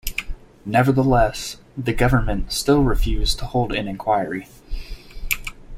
Nevertheless, the government still refused to hold an inquiry.